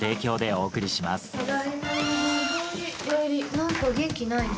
何か元気ないね。